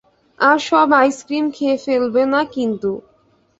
আর সব আইসক্রিম খেয়ে ফেলবে না কিন্তু।